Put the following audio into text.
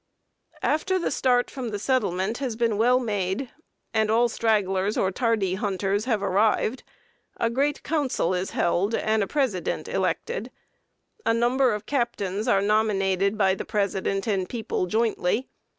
II, p. 111.] "After the start from the settlement has been well made, and all stragglers or tardy hunters have arrived, a great council is held and a president elected. A number of captains are nominated by the president and people jointly.